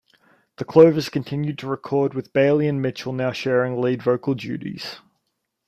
The Clovers continued to record with Bailey and Mitchell now sharing lead vocal duties.